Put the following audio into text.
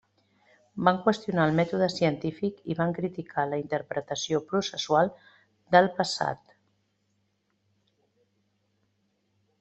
Van qüestionar el mètode científic i van criticar la interpretació processual del passat.